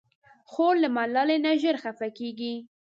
خور له ملالۍ نه ژر خفه کېږي.